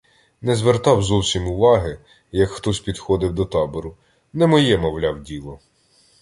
Не звертав зовсім уваги, як хтось підходив до табору, — не моє, мовляв, діло.